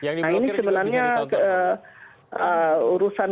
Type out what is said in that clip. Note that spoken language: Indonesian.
nah ini sebenarnya urusan